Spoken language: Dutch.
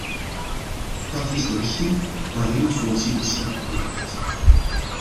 Dat is de richting waarin het voorzitterschap werkt.